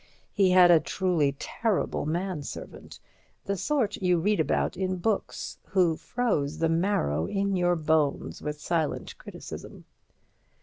He had a truly terrible manservant—the sort you read about in books—who froze the marrow in your bones with silent criticism.